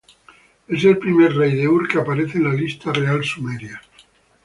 Es el primer rey de Ur que aparece en la Lista Real Sumeria.